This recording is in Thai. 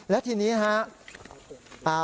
และทีนี้ครับ